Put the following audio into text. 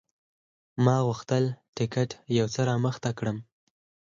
ما غوښتل ټکټ یو څه رامخته کړم.